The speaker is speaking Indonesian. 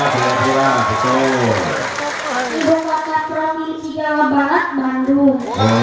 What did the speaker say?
kota kota provinsi jawa barat bandung